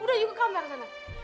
udah yuk ke kamar sana